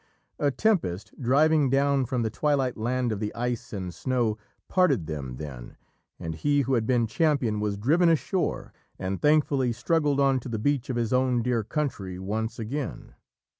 A tempest driving down from the twilight land of the ice and snow parted them then, and he who had been champion was driven ashore and thankfully struggled on to the beach of his own dear country once again.